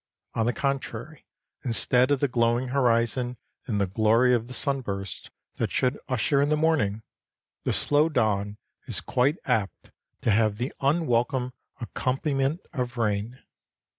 On the contrary, instead of the glowing horizon and the glory of the sunburst that should usher in the morning, the slow dawn is quite apt to have the unwelcome accompaniment of rain.